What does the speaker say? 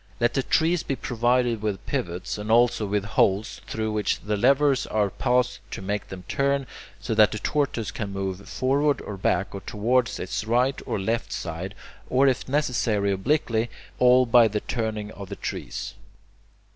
Let the trees be provided with pivots, and also with holes through which levers are passed to make them turn, so that the tortoise can move forward or back or towards its right or left side, or if necessary obliquely, all by the turning of the trees.